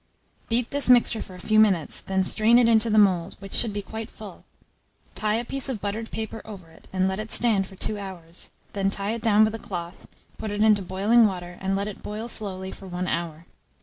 Beat this mixture for a few minutes; then strain it into the mould, which should be quite full; tie a piece of buttered paper over it, and let it stand for 2 hours; then tie it down with a cloth, put it into boiling water, and let it boil slowly for 1 hour.